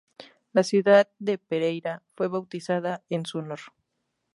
La ciudad de Pereira fue bautizada en su honor.